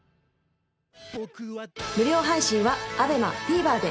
無料配信は ＡＢＥＭＡＴＶｅｒ で